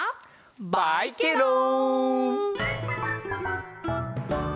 バイケロン！